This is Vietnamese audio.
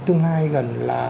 tương lai gần là